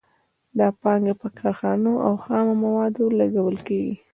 دا پانګه په کارخانو او خامو موادو لګول کېږي